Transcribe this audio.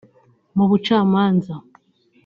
mu bucamanza